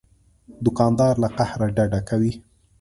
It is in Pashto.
دوکاندار له قهره ډډه کوي.